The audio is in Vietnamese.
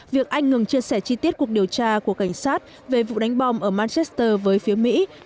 việc anh ngừng chia sẻ chi tiết cuộc điều tra của cảnh sát về vụ đánh bom ở manchester với phía mỹ